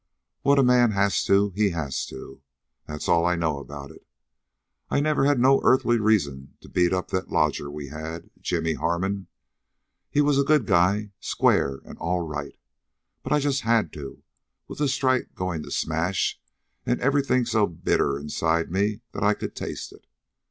What a man has to, he has to. That's all I know about it. I never had no earthly reason to beat up that lodger we had, Jimmy Harmon. He was a good guy, square an' all right. But I just had to, with the strike goin' to smash, an' everything so bitter inside me that I could taste it.